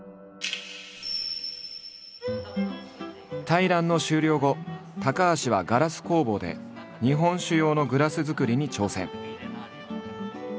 対談の終了後高橋はガラス工房で日本酒用のグラスづくりに挑戦！